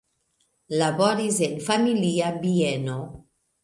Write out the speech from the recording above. Laboris en familia bieno.